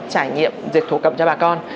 trải nghiệm dệt thổ cẩm cho bà con